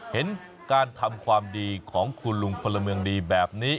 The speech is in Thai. เห็นการทำความดีของคุณลุงพลเมืองดีแบบนี้